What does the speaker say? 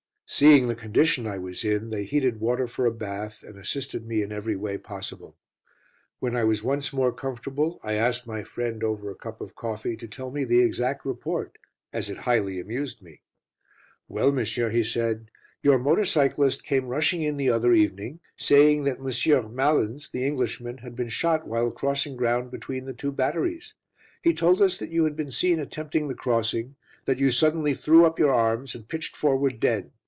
Seeing the condition I was in, they heated water for a bath, and assisted me in every way possible. When I was once more comfortable, I asked my friend, over a cup of coffee, to tell me the exact report, as it highly amused me. "Well, monsieur," he said, "your motor cyclist came rushing in the other evening, saying that Monsieur Malins, the Englishman, had been shot while crossing ground between the two batteries. He told us that you had been seen attempting the crossing; that you suddenly threw up your arms, and pitched forward dead.